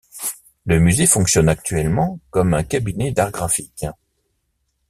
Le musée fonctionne actuellement comme un cabinet d'arts graphiques.